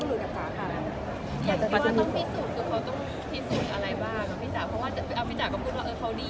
เพราะว่าอัมพิจารณ์ก็พูดว่าเขาดีอะไรอย่างเงี้ย